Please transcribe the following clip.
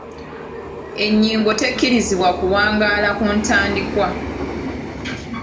Ennyingo tekkirizibwa kuwangaala ku ntandikwa.